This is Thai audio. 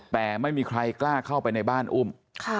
แต่ไม่มีใครกล้าเข้าไปในบ้านอุ้ม